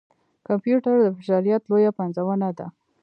کمپیوټر د بشريت لويه پنځونه ده.